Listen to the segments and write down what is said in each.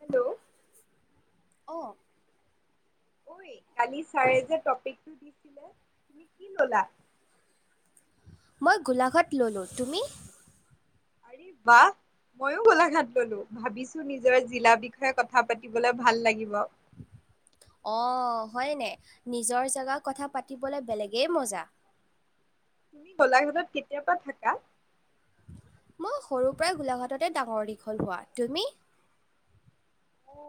Hello অ ঐ কালি ছাৰে যে টপিকটো দিছিলে তুমি কি ললা? মই গোলাঘাট ল'লোঁ। তুমি? আৰে বা। ময়ো গোলাঘাট ললো ভাবিছো নিজৰ জিলা বিষয়ে কথা পাতিবলে ভাল লাগিব। অ হয়নে নিজৰ জেগা কথা পাতিবলে বেলেগেই মজা। তুমি গোলাঘাটত কেতিয়াপা থাকা? মোৰ সৰুৰ পৰাই গোলাঘাটতে ডাঙৰ দীঘল হোৱা। তুমি? অ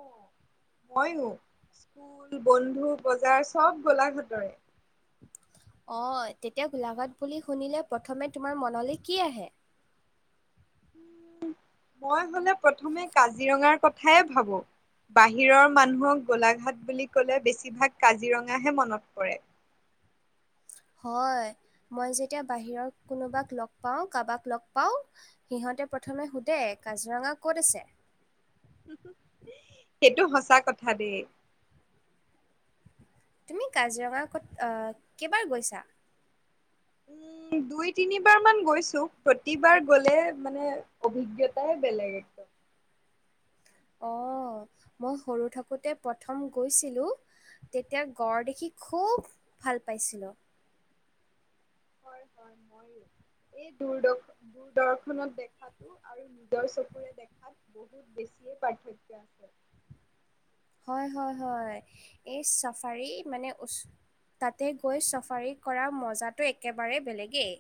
মইয়ো স্কুল বন্ধু বজাৰ চব গোলাঘাটৰে। অ তেতিয়া গোলাঘাট বুলি শুনিলে প্ৰথমে তোমাৰ মনলৈ কি আহে? মই হলে প্ৰথমে কাজিৰঙাৰ কথাইে ভাবোঁ। বাহিৰৰ মানুহক গোলাঘাট বুলি কলে বেছিভাগ কাজিৰঙাহে মনত পৰে। হয় মই যেতিয়া বাহিৰৰ কোনোবাক লগ পাওঁ কাবাক লগ পাওঁ। সিহঁতে প্ৰথমে সোধে কাজিৰঙা ক'ত আছে? সেইটো সঁচা কথা দে। তুমি কাজিৰঙা ক'ত কেইবাৰ গৈছা? উম, দুই তিনিবাৰ মান গৈছো প্ৰতিবাৰ গলে মানে অভিজ্ঞতাই বেলেগ। অ মই সৰু থাকোঁতে প্ৰথম গৈছিলোঁ। তেতিয়া গড় দেখি খুব ভাল পাইছিলো। হয় হয় মইয়ো এই দূৰদশ দূৰদৰ্শনত দেখাতো আৰু নিজৰ চকুৰে দেখাত বহুত বেছিয়ে পাৰ্থক্য আছে। হয় হয় হয় এই চাফাৰী মানে ওচ- তাতে গৈ চাফাৰী কৰা মজাটো একেবাৰে বেলেগেই।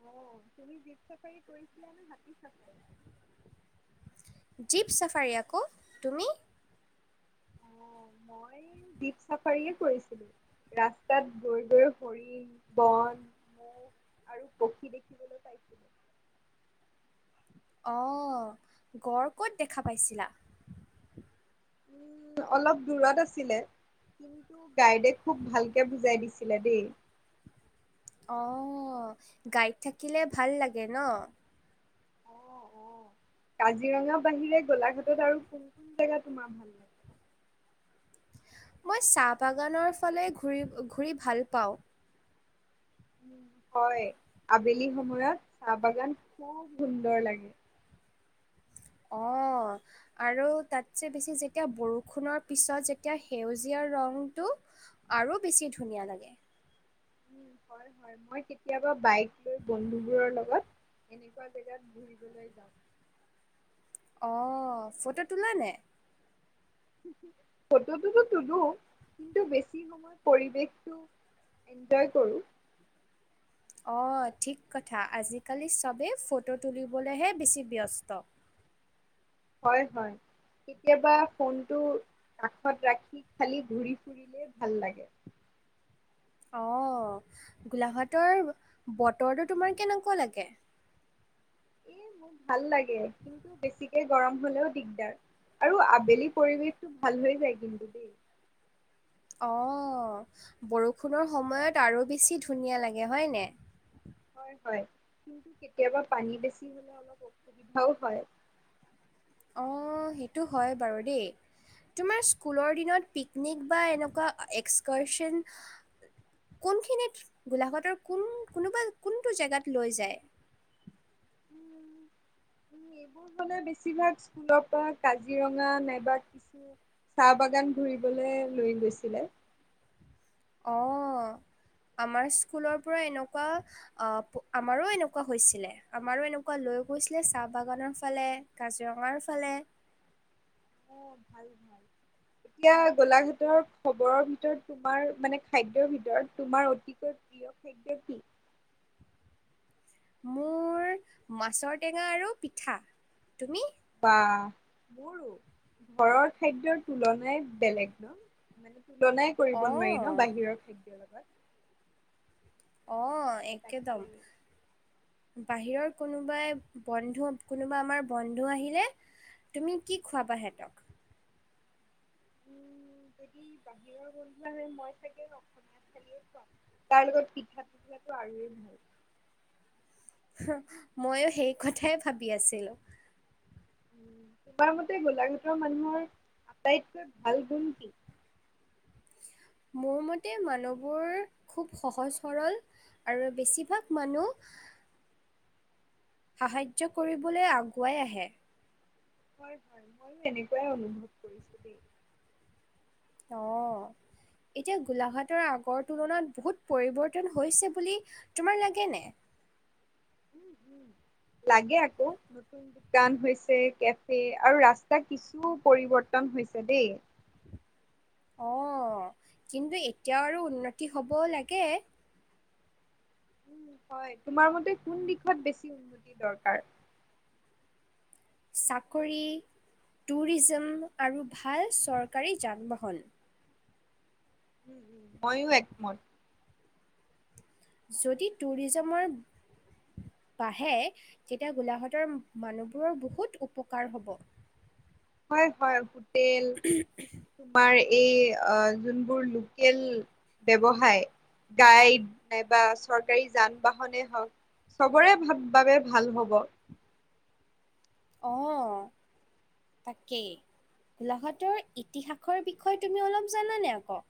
অ তুমি জীপ চাফাৰী কৰিছিলা নে হাতী চাফাৰী? জীপ চাফাৰী আক। তুমি? অ মই দীপ চাফাৰীয়ে কৰিছিলো। ৰাস্তাত গৈ গৈ ফৰিন, বন, মোক আৰু পক্ষী দেখিবলৈ পাইছিলো। অ গড় ক'ত দেখা পাইছিলা? উ অলপ দূৰত আছিলে। কিন্তু গাইডে খুব ভালকে বুজাই দিছিলে দেই অ গাইড থাকিলে ভাল লাগে ন অ অ কাজিৰঙা বাহিৰে গোলাঘাটত আৰু কোন কোন জেগা তোমাৰ ভাল লাগে? মই চাহ বাগানৰ ফালে ঘূ ঘূৰি ভাল পাওঁ। উ হয় আবেলি সময়ত চাহ বাগান খুব সুন্দৰ লাগে। অ আৰু তাতযে বেছি যেতিয়া বৰষুণৰ পিছত যেতিয়া সেউজীয়া ৰংটো আৰু বেছি ধুনীয়া লাগে। উ হয় হয় মই কেতিয়াবা বাইক লৈ বন্ধুবোৰৰ লগত এনেকুৱা জেগাত ঘুৰিবলৈ যাওঁ। অ ফটো তোলা নে ফটোটোতো তুলো কিন্তু বেছি সময় পৰিৱেশটো এনজয় কৰোঁ অ ঠিক কথা আজিকালি চবেই ফটো তুলিবলৈহে বেছি ব্যস্ত। হয় হয় কেতিয়াবা ফোনটো কাষত ৰাখি খালি ঘূৰি ফুৰিলে ভাল লাগে। অ গোলাঘাটৰ বতৰটো তোমাৰ কেনেকুৱা লাগে? এ মোৰ ভাল লাগে। কিন্তু বেছিকে গৰম হলেও দিগদাৰ আৰু আবেলি পৰিৱেশটো ভাল হৈ যায় কিন্তু দেই অ বৰষুণৰ সময়ত আৰু বেছি ধুনীয়া লাগে হয় নে? হয় হয় কিন্তু কেতিয়াবা পানী বেছি হলে অলপ অসুবিধাও হয়। অ সেইটো হয় বাৰু দেই তোমাৰ স্কুলৰ দিনত পিকনিক বা এনেকুৱা এক্সকাৰচন কোনখিনিত গোলাঘাটৰ কোন কোনোবা কোনটো জেগাত লৈ যায়। উম উম এইবোৰ হলে বেছিভাগ স্কুলৰ পৰা কাজিৰঙা নাইবা কিছু চাহ বাগান ঘুৰিবলে লৈ গৈছিলে। অ আমাৰ স্কুলৰ পৰা এনেকুৱা আ আমাৰো এনেকুৱা হৈছিলে আমাৰো এনেকুৱা লৈ গৈছিলে চাহ বাগানৰ ফালে কাজিৰঙাৰ ফালে অ ভাল ভাল এতিয়া গোলাঘাটৰ খবৰৰ ভিতৰত তোমাৰ মানে খাদ্যৰ ভিতৰত তোমাৰ অতিকৈ প্ৰিয় খাদ্য কি? মোৰ মাছৰ টেঙা আৰু পিঠা তুমি বাহ মোৰ ঘৰৰ খাদ্য তুলনাই বেলেগ ন মানে তুলনাই কৰিব নোৱাৰি ন অ' বাহিৰৰ খাদ্যৰ লগত অ তাকে একেদম বাহিৰৰ কোনোবাই বন্ধু কোনোবা আমাৰ বন্ধু আহিলে। তুমি কি খুৱাবা হেতক? উম যদি বাহিৰৰ বন্ধু হয় মই চাগে ফালিয়ে খোৱা তাৰ লগত পিঠা আৰুয়েই ভাল [unintelligible] ময়ো সেই কথাই ভাবি আছিলোঁ। [inaudible] তোমাৰ মতে গোলাঘাটৰ মানুহৰ আটাইতকৈ ভাল গুণ কি? মোৰ মতে মানুহবোৰ খুব সহজ সৰল আৰু বেছিভাগ মানুহ- সাহায্য কৰিবলৈ আগুৱাই আহে। হয় হয় ময়ো এনেকোৱাই অনুভৱ কৰিছো দেই। অ এতিয়া গোলাঘাটৰ আগৰ তুলনাত বহুত পৰিৱৰ্তন হৈছে বুলি তোমাৰ লাগে নে উম উম লাগে আকৌ দোকান হৈছে কেফে আৰু ৰাস্তা কিছু পৰিৱৰ্তন হৈছে দেই অঁ কিন্তু এতিয়াও আৰু উন্নতি হ'ব লাগে উম, হয় তোমাৰ মতে কোন দিশত বেছি উন্নতি দৰকাৰ চাকৰি টুৰিজম আৰু ভাল চৰকাৰী যান বাহন উম উম মইয়ো একমত যদি টুৰিজেমৰ- বাঢ়ে তেতিয়া গোলাঘাটৰ মানুহবোৰৰ বহুত উপকাৰ হ'ব- হয় হয়- হোটেল উম উ তোমাৰ এই যোনবোৰ অ লোকেল ব্যবসায় - গাইড নাইবা চৰকাৰী যান-বাহনে হওক- চবৰে ভা বাবে ভাল হ'ব- অঁ [inaudible] তাকেই গোলাঘাটৰ ইতিহাসৰ বিষয়ে তুমি অলপ জানানে আকৌ-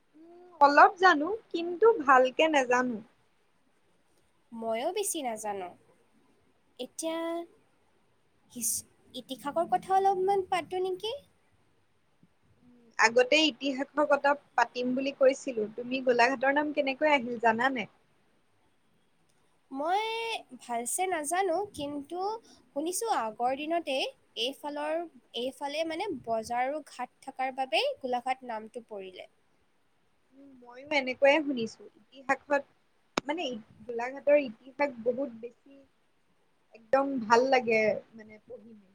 উম, অলপ জানো কিন্তু ভালকে নাজানো- ময়ো বেছি নাজানো এতিয়া- ইতিহাসৰ কথা অলপমান পাতোঁ নেকি? আগতে ইতিহাসৰ কথা পাতিম বুলি কৈছিলো তুমি গোলাঘাটৰ নাম কেনেকৈ আহিল জানানে- মই ভালছে নাজানো কিন্তু- শুনিছো আগৰ দিনতেই এইফালৰ- এইফালে মানে বজাৰৰ ঘাট থকাৰ বাবেই গোলাঘাট নামটো পৰিলে- উম, ময়ো এনেকোৱাই শুনিছো- ইতিহাসত মানে গোলাঘাটৰ ইতিহাস বহুত বেছি- একদম ভাল লাগে মানে পঢ়ি মেলি।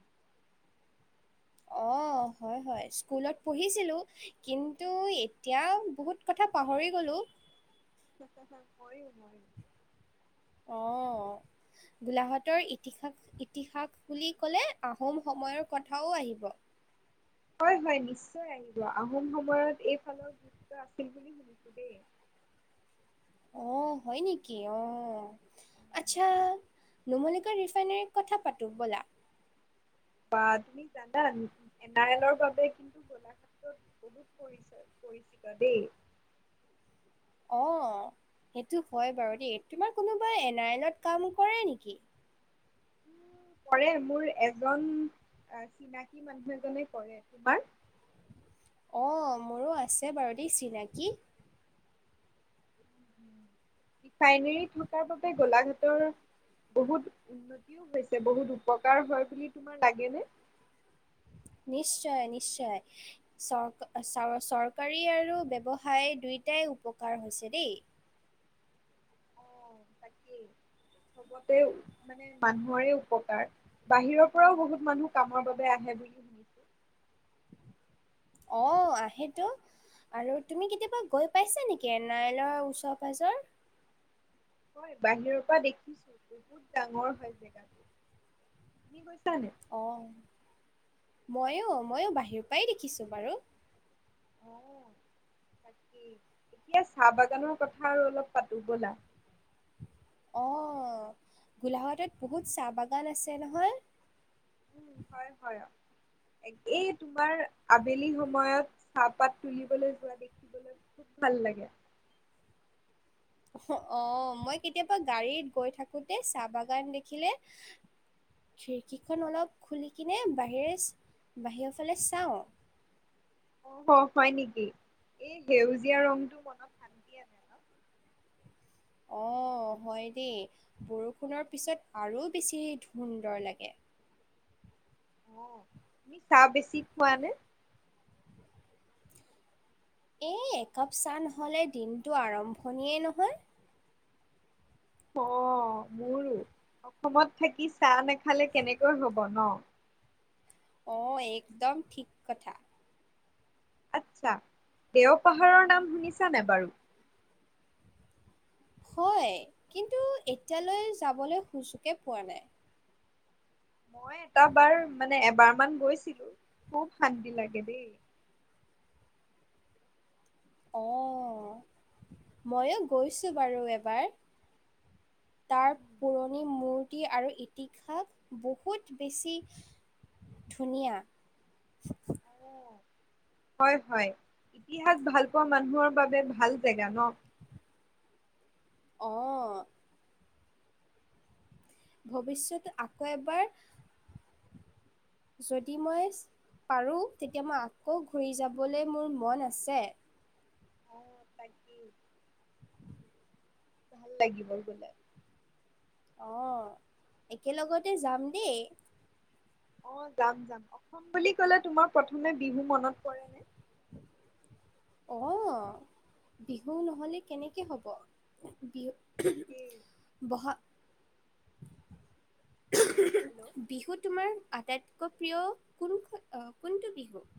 অ হয় হয় স্কুলত পঢ়িছিলো কিন্তু এতিয়া বহুত কথা পাহৰি গলো। চা চা চ হয় নহয়? অঁ [unintelligible] গোলাঘাটৰ ইতিহাস- ইতিহাস বুলি ক'লে আহোম সময়ৰ কথাও আহিব- হয় হয় নিশ্চয় আহিব আহোম সময়ত এইফালৰ গুৰুত্ব আছিল বুলি শুনিছো দেই অহ হয় নেকি অ আচ্ছা নুমলীগড় ৰিফাইনেৰীৰ কথা পাত ব'লা বা তুমি জানা এন আৰ এলৰ বাবে কিন্তু গোলাঘাটত কৰিছে কৰি দিবা দেই অ সেইটো হয় বাৰু দেই তোমাৰ কোনোবা এন আৰ এলত কাম কৰে নেকি? কৰে মোৰ এজন চিনাকি মানুহ এজনে কৰে। তোমাৰ? অ মোৰো আছে বাৰু দেই চিনাকি। উম- ৰিফাইনেৰী থকাৰ বাবে গোলাঘাটৰ বহুত উন্নতিও হৈছে বহুত উপকাৰ হয় বুলি তোমাৰ লাগেনে? নিশ্চয়, নিশ্চয়- চৰ চ চৰকাৰী আৰু ব্যবসায় দুয়োটাই উপকাৰ হৈছে দেই। তাকেই চবতেও মানে মানুহৰে উপকাৰ বাহিৰৰ পৰাও বহুত মানুহ কামৰ বাবে আহে বুলি শুনিছো অ আহেতো আৰু তুমি কেতিয়াবা গৈ পাইছা নেকি এনাৰেলৰ ওচৰ পাজৰ হয় বাহিৰৰ পৰা দেখিছো বহুত ডাঙৰ হয় জেগাটো তুমি গৈছানে? অ' ময়ো-ময়ো বাহিৰৰ পৰাই দেখিছোঁ বাৰু অ' তাকেই এতিয়া চাহ বাগানৰ কথা আৰু অলপ পাতো ব'লা। অ' গোলাঘাটত বহুত চাহ বাগান আছে নহয়। উম হয়-হয় এই তোমাৰ আবেলি সময়ত চাহপাত তুলিবলৈ যোৱা দেখিবলৈ খুব ভাল লাগে। অ' মই কেতিয়াবা গাড়ীত গৈ থাকোঁতে চাহ বাগান দেখিলে খিৰিকীখন অলপ খুলি কিনে বাহিৰে বাহিৰৰ ফালে চাওঁ। অ' হয় নেকি এই সেউজীয়া ৰংটো মনত [unintelligible] অ' হয় দেই বৰষুণৰ পিছত আৰু বেছি সুন্দৰ লাগে। অ' তুমি চাহ বেছি খোৱানে? এই একাপ চাহ নহ'লে দিনটো আৰম্ভণিয়েই নহয়। অ' মোৰো অসমত থাকি চাহ নাখালে কেনেকৈ হ'ব ন'। অ' একদম ঠিক কথা। আচ্ছা দেওপাহাৰৰ নাম শুনিছানে বাৰু? হয় কিন্তু এতিয়ালৈ যাবলৈ সুযোগে পোৱা নাই। মই এটা বাৰ মানে এবাৰ মান গৈছিলোঁ খুব শান্তি লাগে দেই। অ' ময়ো গৈছোঁ বাৰু এবাৰ। তাৰ উম, পুৰণি মূৰ্তি আৰু ইতিহাস বহুত বেছি ধুনীয়া। অ' হয়-হয় ইতিহাস ভাল পোৱা মানুহৰ বাবে ভাল জেগা ন'। অ' ভৱিষ্যত আকৌ এবাৰ যদি মই পাৰোঁ তেতিয়া মই আকৌ ঘূৰি যাবলৈ মোৰ মন আছে। অ তাকেই ভাল লাগিব গ'লে। অ' একেলগতে যাম দেই। অ' যাম-যাম। অসম বুলি ক'লে তোমাৰ প্ৰথমে বিহু মনত পৰেনে? অ' বিহু নহ'লে কেনেকে হ'ব। বিহু তাকেই ব'হাগ [unintelligible] বিহু তোমাৰ হেল্ল' আটাইত আটাইতকৈ প্ৰিয় কোনখন কোনটো বিহু?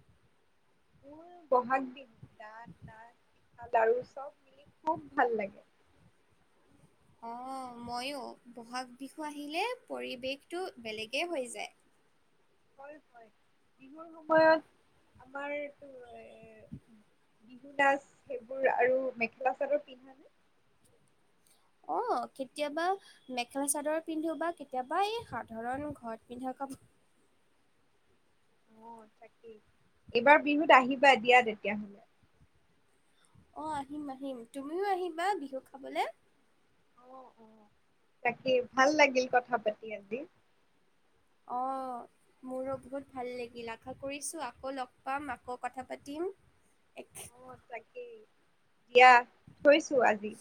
মোৰ ব'হাগ বিহু গান, নাচ, পিঠা-লাৰু চব মিলি খুব ভাল লাগে। অ' ময়ো ব'হাগ বিহু আহিলে পৰিৱেশটো বেলেগেই হৈ যায়। হয়-হয়। বিহুৰ সময়ত আমাৰ এইটো এ বিহুনাচ সেইবোৰ আৰু মেখেলা চাদৰ পিন্ধানে? অ' কেতিয়াবা মেখেলা চাদৰ পিন্ধো বা কেতিয়াবা এই সাধাৰণ ঘৰত পিন্ধা কাপোৰ অ' তাকেই এইবাৰ বিহুত আহিবা দিয়া তেতিয়া হ'লে। অ' আহিম-আহিম তুমিও আহিবা বিহু খাবলে। অ'-অ' তাকেই ভাল লাগিল কথা পাতি আজি। অ' মোৰো বহুত ভাল লাগিল আশা কৰিছোঁ আকৌ লগ পাম আকৌ কথা পাতিম। এক অ' তাকেই দিয়া থৈছোঁ আজি।